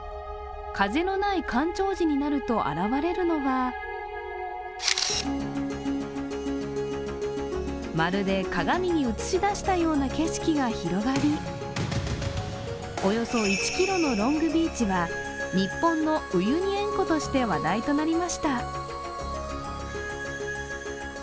風のない干潮時になると現れるのはまるで鏡に映し出したような景色が広がりおよそ１ｋｍのロングビーチは日本のウユニ塩湖として話題となりました。